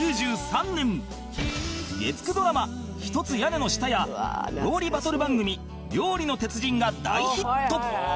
月９ドラマ『ひとつ屋根の下』や料理バトル番組『料理の鉄人』が大ヒット！